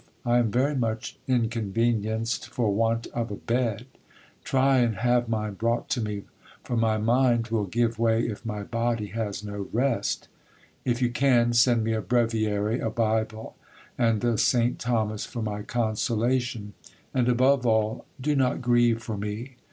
I am very much inconvenienced for want of a bed; try and have mine brought to me, for my mind will give way if my body has no rest: if you can, send me a breviary, a Bible, and a St. Thomas for my consolation; and above all, do not grieve for me.